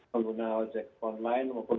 pengguna ojek online maupun